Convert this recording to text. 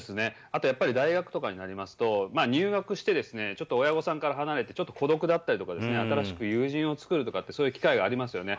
あとやっぱり大学とかになりますと、入学して、ちょっと親御さんから離れて、ちょっと孤独だったりとか、新しい友人を作るとかってそういう機会がありますよね。